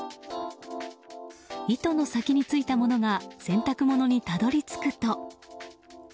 糸の先についたものが洗濯物にたどり着くと。